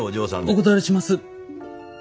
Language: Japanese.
お断りします。